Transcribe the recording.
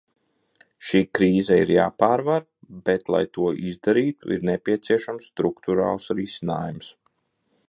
Šī krīze ir jāpārvar, bet, lai to izdarītu, ir nepieciešams strukturāls risinājums.